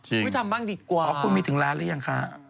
จริงคุณไม่ทำบ้างดีกว่าคุณมีถึงล้านหรือยังคะ